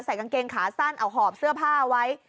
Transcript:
กางเกงขาสั้นเอาหอบเสื้อผ้าไว้